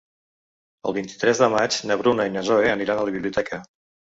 El vint-i-tres de maig na Bruna i na Zoè aniran a la biblioteca.